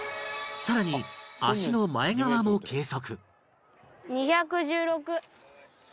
さらに足の前側も計測